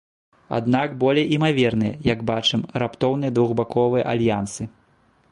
Аднак болей імаверныя, як бачым, раптоўныя двухбаковыя альянсы.